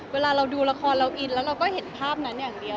เวลาเราดูละครเราอินแล้วเราก็เห็นภาพนั้นอย่างเดียว